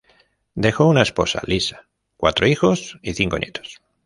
Dejó una esposa, Lisa, cuatro hijos y cinco nietos.